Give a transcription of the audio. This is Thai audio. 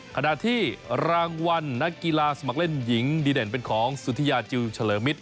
ขณะที่รางวัลนักกีฬาสมัครเล่นหญิงดีเด่นเป็นของสุธิยาจิลเฉลิมมิตร